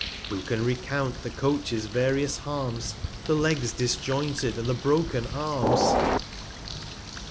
Who can recount the Coach's various Harms ; The Legs disjointed, and the broken Arms